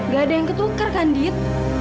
gak ada yang ketukar kan dit